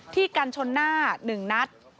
ที่กันชนหน้า๑นัด